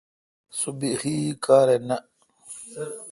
سو بحی کار نہ۔